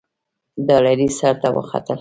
د لارۍ سر ته وختل.